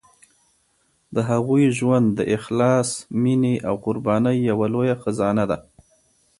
د هغوی ژوند د اخلاص، مینې او قربانۍ یوه لویه خزانه ده.